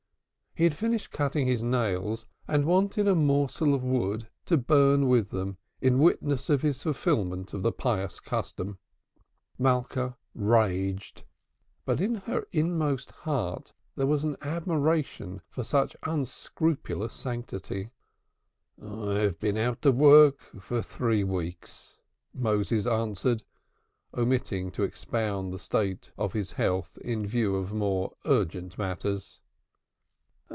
He had finished cutting his nails, and wanted a morsel of wood to burn with them in witness of his fulfilment of the pious custom. Malka raged, but in her inmost heart there was admiration for such unscrupulous sanctity. "I have been out of work for three weeks," Moses answered, omitting to expound the state of his health in view of more urgent matters.